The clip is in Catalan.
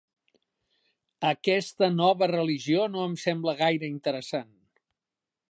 Aquesta nova religió no em sembla gaire interessant.